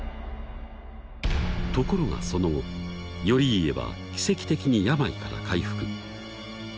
ところがその後頼家は奇跡的に病から回復。